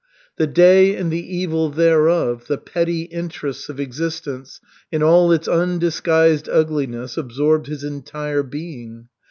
The day and the evil thereof, the petty interests of existence in all its undisguised ugliness absorbed his entire being.